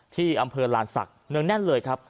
ที่อำเภอลานศักดิ์เนืองแน่นเลยครับ